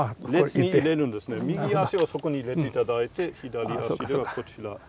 右足はそこに入れて頂いて左足ではこちら。